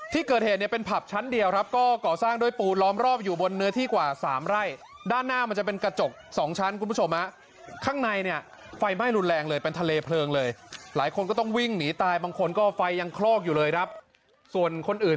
ที่เกิดเหตุเป็นผับชั้นเดียวก็กรสร้างด้วยปูล้อมรอบอยู่บนเนื้อที่กว่า๓ไร่